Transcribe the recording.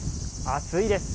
暑いです。